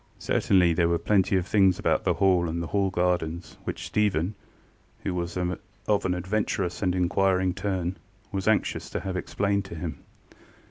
Certainly there were plenty of things about the Hall and the Hall gardens which Stephen, who was of an adventurous and inquiring turn, was anxious to have explained to him.